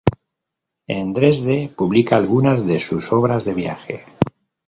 En Dresde publica algunas de sus obras de viaje.